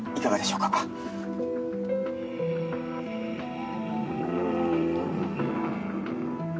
うん。